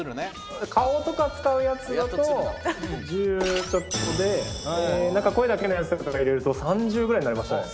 顔とか使うやつやと１０ちょっとで声だけのやつとか入れると３０ぐらいになりましたね。